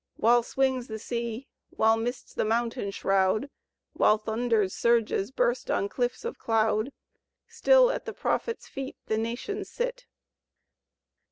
While swings the sea, while mists the mountain shroud. While thunder's surges burst on cliffs of doud. Still at the prophets' feet the nations sit.